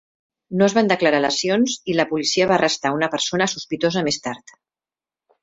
No es van declarar lesions i la policia va arrestar una persona sospitosa més tard.